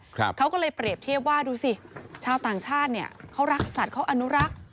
เขาก็เลยเปรียบเทียบว่าดูสิชาวต่างชาติเนี่ยเขารักสัตว์เขาอนุรักษ์